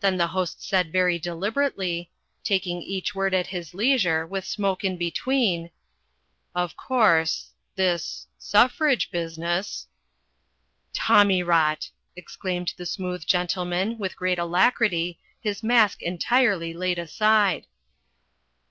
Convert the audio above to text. Then the Host said very deliberately, taking each word at his leisure, with smoke in between: "Of course this suffrage business " "Tommyrot!" exclaimed the Smooth Gentleman, with great alacrity, his mask entirely laid aside.